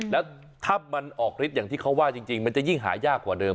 แล้วถ้ามันออกฤทธิ์อย่างที่เขาว่าจริงมันจะยิ่งหายากกว่าเดิม